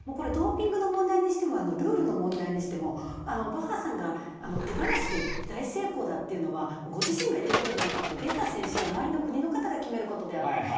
ドーピングの問題にしてもルールの問題にしてもバッハさんが手放しで大成功だというのはご自身が言うことじゃなくて出た選手や周りの国の方が決めることであって。